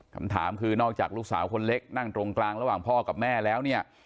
คำถามคือนอกจากลูกสาวคนเล็กนั่งตรงกลางระหว่างพ่อกับแม่แล้วเนี่ย